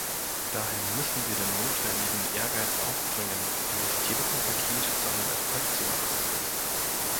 Daher müssen wir den notwendigen Ehrgeiz aufbringen, dieses Telekom-Paket zu einem Erfolg zu machen.